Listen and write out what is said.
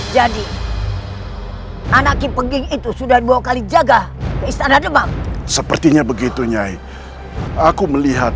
jadi anak keping itu sudah dua kali jaga ke istana demam sepertinya begitu nyai aku melihat